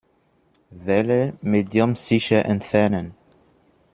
Wähle "Medium sicher entfernen".